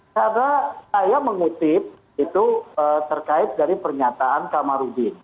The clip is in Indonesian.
karena saya mengutip itu terkait dari pernyataan pak marudin